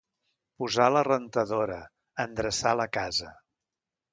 Posar la rentadora, endreçar la casa.